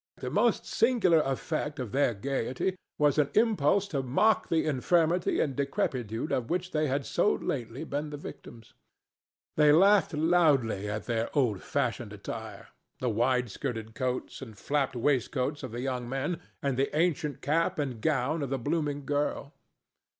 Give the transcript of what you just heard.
The most singular effect of their gayety was an impulse to mock the infirmity and decrepitude of which they had so lately been the victims. They laughed loudly at their old fashioned attire—the wide skirted coats and flapped waistcoats of the young men and the ancient cap and gown of the blooming girl.